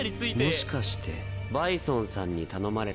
もしかしてバイソンさんに頼まれたんですか？